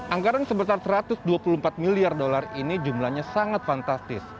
anggaran sebesar satu ratus dua puluh empat miliar dolar ini jumlahnya sangat fantastis